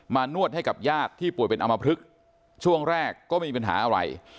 นวดให้กับญาติที่ป่วยเป็นอมพลึกช่วงแรกก็ไม่มีปัญหาอะไร